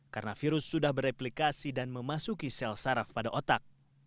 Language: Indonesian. karena virus sudah bereplikasi dan memasuki sel saraf pada otak